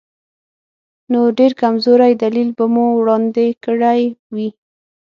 نو ډېر کمزوری دلیل به مو وړاندې کړی وي.